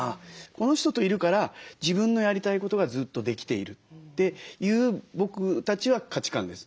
この人といるから自分のやりたいことがずっとできているという僕たちは価値観です。